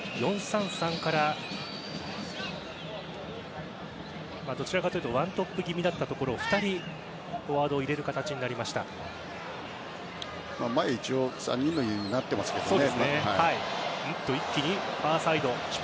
４−３−３からどちらかというと１トップ気味だったところを２人、フォワードを入れる形に前は一応３人になってますけどね。